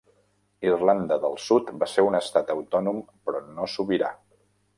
Irlanda del Sud va ser un estat autònom però no sobirà.